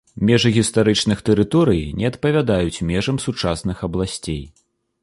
Межы гістарычных тэрыторый не адпавядаюць межам сучасных абласцей.